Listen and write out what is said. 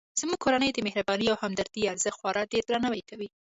زموږ کورنۍ د مهربانۍ او همدردۍ ارزښت خورا ډیردرناوی کوي